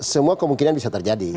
semua kemungkinan bisa terjadi